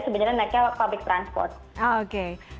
sebenarnya naiknya public transport